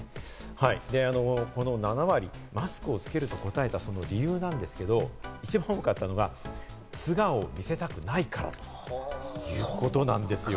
この７割、マスクをつけると答えたその理由なんですけど、一番多かったのが、素顔を見せたくないからということなんですよ。